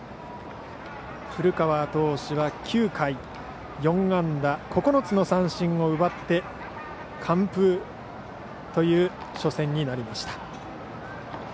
古川投手は９回４安打、９つの三振を奪って完封という初戦になりました。